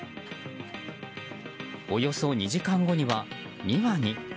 およそ２時間後には２羽に。